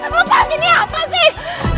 lepas gini apa sih